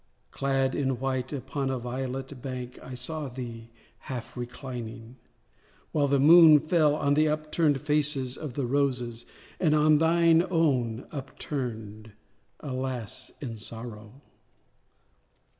Clad all in white, upon a violet bank I saw thee half reclining; while the moon Fell on the upturn'd faces of the roses, And on thine own, upturn'd—alas, in sorrow!